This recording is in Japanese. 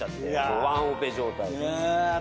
もうワンオペ状態で。